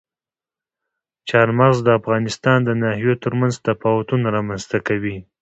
چار مغز د افغانستان د ناحیو ترمنځ تفاوتونه رامنځ ته کوي.